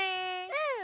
うん！